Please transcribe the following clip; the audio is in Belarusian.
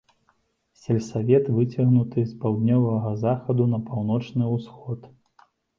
Сельсавет выцягнуты з паўднёвага захаду на паўночны ўсход.